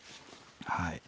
はい。